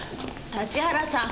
立原さん